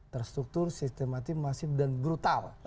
terstruktur sistematis masif dan brutal